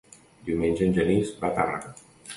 Diumenge en Genís va a Tàrrega.